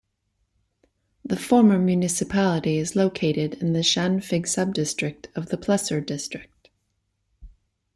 The former municipality is located in the Schanfigg sub-district of the Plessur district.